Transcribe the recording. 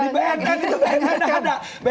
di bnn itu enggak ada